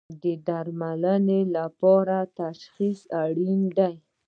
د درملنې لپاره تشخیص اړین دی